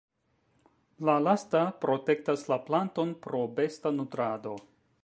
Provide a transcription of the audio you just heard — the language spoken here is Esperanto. La lasta protektas la planton pro besta nutrado.